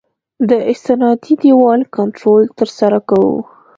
د استنادي دیوال کنټرول ترسره کوو